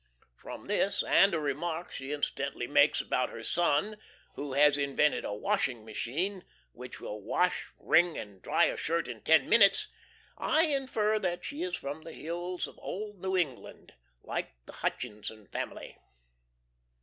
From this, and a remark she incidentally makes about her son, who has invented a washing machine which will wash, wring, and dry a shirt in ten minutes, I infer that she is from the hills of Old New England, like the Hutchinson family.